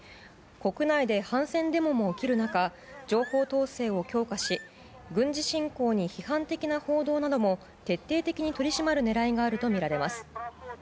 国内で反戦デモも起きる中情報統制を強化し軍事侵攻に批判的な報道なども徹底的に取り締まる狙いがあるとみられます。